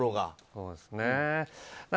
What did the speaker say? そうですね。